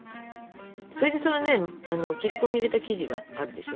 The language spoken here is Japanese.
それでそのね切り込み入れた生地があるでしょ。